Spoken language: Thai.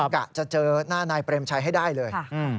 กะจะเจอหน้านายเปรมชัยให้ได้เลย